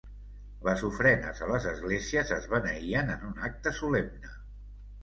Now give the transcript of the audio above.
Les ofrenes a les esglésies es beneïen en un acte solemne.